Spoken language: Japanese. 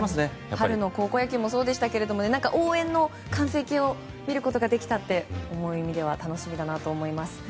春の高校野球もそうでしたし応援の完成形を見ることができたって意味では楽しみだなと思います。